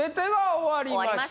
終わりました